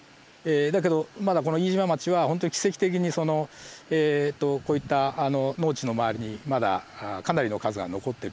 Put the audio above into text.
だけどまだこの飯島町はほんとに奇跡的にこういった農地の周りにまだかなりの数が残ってるという事で。